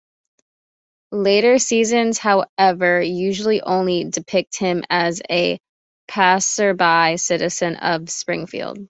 Later seasons however usually only depict him as a passerby citizen of Springfield.